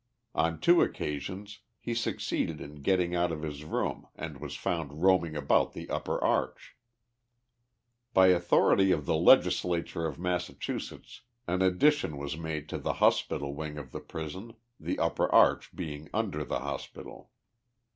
Oil two occasions he succeeded in getting out of his room and was found roaming about the upper arch. By authority of the legislature of Massachusetts an addition 75 THE LIFE OF JESSE HARDIXG POMEROY. was made to the hospital wing of the prison, the upper arch being under the hospital.